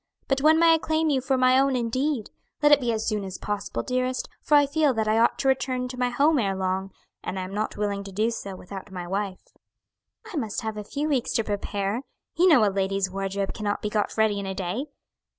But when may I claim you for my own indeed? Let it be as soon as possible, dearest, for I feel that I ought to return to my home ere long, and I am not willing to do so without my wife." "I must have a few weeks to prepare; you know a lady's wardrobe cannot be got ready in a day.